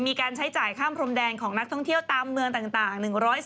มีการใช้จ่ายข้ามพรมแดนของนักท่องเที่ยวตามเมืองต่าง